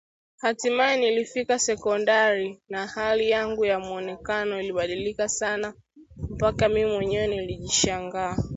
Hatimaye nilifika sekondari na hali yangu ya muonekanao ilibadilika sana mpaka mimi mwenyewe nilijishangaa